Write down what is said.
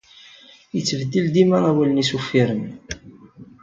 Yettbeddil dima awalen-is uffiren.